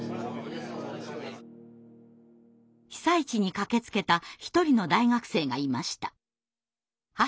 被災地に駆けつけた一人の大学生がいました。